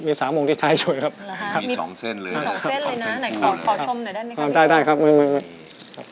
มี๓องค์ที่ไทยช่วยครับมี๒เส้นเลยมี๒เส้นเลยนะไหนขอชมหน่อยได้ไหมคะได้ครับ